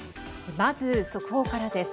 まず、速報からです。